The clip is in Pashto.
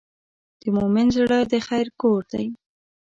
د مؤمن زړه د خیر کور دی.